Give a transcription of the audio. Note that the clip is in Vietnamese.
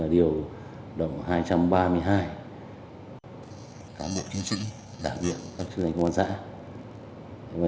điều động hai trăm ba mươi hai đảm nhiệm các chức danh công an xã